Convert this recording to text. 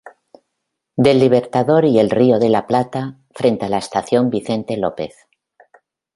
Del Libertador y el Río de la Plata, frente a la estación Vicente López.